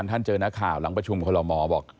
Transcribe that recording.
แต่คะแล้วมีประชุมคนหน่อมอบอก